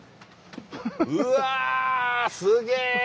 うわ！すげ！